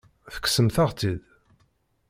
Tekksemt-aɣ-tt-id.